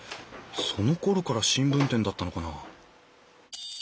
そのころから新聞店だったのかな？